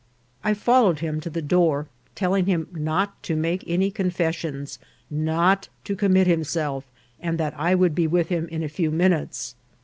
I followed him to the door, telling him not to make any confessions, not to commit himself, and that I would be with him in a few minutes.